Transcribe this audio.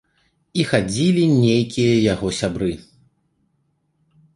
І хадзілі нейкія яго сябры.